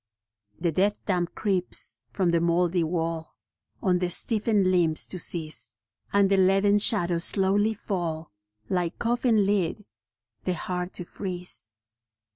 The death damp creeps from the mouldy wall On the stiffened limbs to seize, And the leaden shadows slowly fall, Like coffin lid, the heart to freeze.